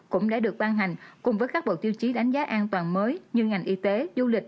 cũng đã được ban hành cùng với các bộ tiêu chí đánh giá an toàn mới như ngành y tế du lịch